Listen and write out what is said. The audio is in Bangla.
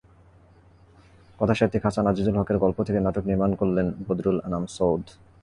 কথাসাহিত্যিক হাসান আজিজুল হকের গল্প থেকে নাটক নির্মাণ করলেন বদরুল আনাম সৌদ।